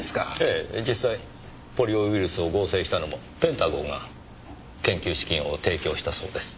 ええ実際ポリオウイルスを合成したのもペンタゴンが研究資金を提供したそうです。